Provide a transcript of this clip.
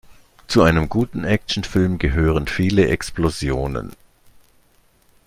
Zu einem guten Actionfilm gehören viele Explosionen.